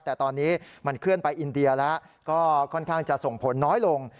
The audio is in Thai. แต่ตอนนี้มันเคลื่อนไปอินเดียแล้วก็ค่อนข้างจะส่งผลน้อยลง